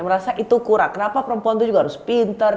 merasa itu kurang kenapa perempuan itu juga harus pinter